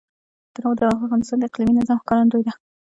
تنوع د افغانستان د اقلیمي نظام ښکارندوی ده.